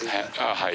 はい。